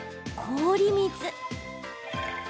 氷水。